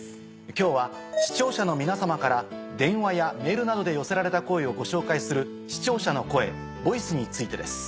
今日は視聴者の皆様から電話やメールなどで寄せられた声をご紹介する。についてです。